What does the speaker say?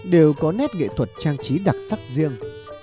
đều có nét nghệ thuật trang trí đặc sắc riêng